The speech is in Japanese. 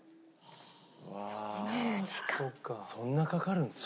うわあそんなかかるんですね。